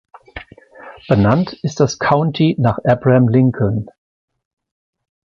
Benannt ist das County nach Abraham Lincoln.